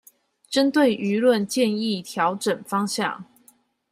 針對輿論建議調整方向